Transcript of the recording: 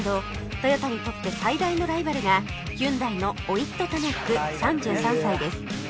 トヨタにとって最大のライバルがヒュンダイのオイット・タナック３３歳です